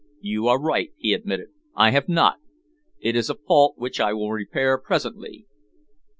"You are right," he admitted, "I have not. It is a fault which I will repair presently."